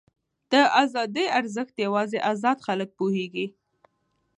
د ازادۍ ارزښت یوازې ازاد خلک پوهېږي.